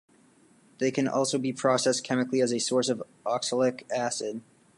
They can also be processed chemically as a source of oxalic acid.